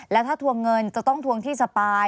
แล้วถ้าทวงเงินจะต้องทวงที่สปาย